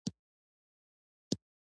خو هر کار يو پلان غواړي.